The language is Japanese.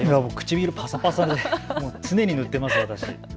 唇パサパサで常に塗っています。